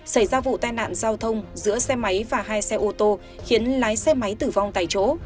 xảy ra vụ tai nạn giao thông giữa xe máy và hai xe ô tô khiến lái xe máy tử vong tại chỗ